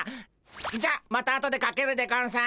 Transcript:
じゃあまたあとでかけるでゴンス。